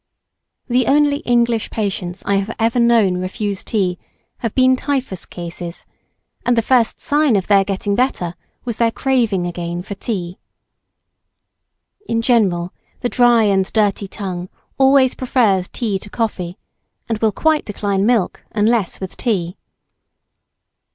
The only English patients I have ever known refuse tea, have been typhus cases, and the first sign of their getting better was their craving again for tea. In general, the dry and dirty tongue always prefers tea to coffee, and will quite decline milk, unless with tea.